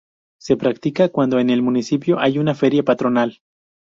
Se practica cuando en el municipio hay una feria patronal.